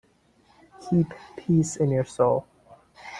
Keep peace in your soul.